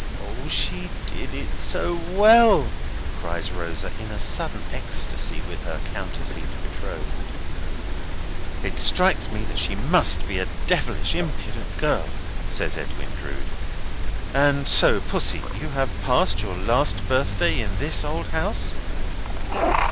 O, she did it so well!" cries Rosa, in a sudden ecstasy with her counterfeit betrothed. "It strikes me that she must be a devilish impudent girl," says Edwin Drood. "And so, Pussy, you have passed your last birthday in this old house."